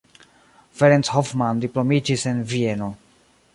Ferenc Hoffmann diplomiĝis en Vieno.